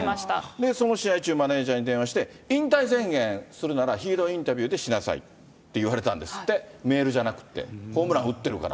で、その試合中、マネージャーに電話して、引退宣言するならヒーローインタビューでしなさいって言われたんですって、メールじゃなくって、ホームラン打ってるから。